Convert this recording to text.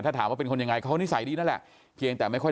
ถ้าถามว่าเป็นคนยังไงเขานิสัยดีนั่นแหละเพียงแต่ไม่ค่อย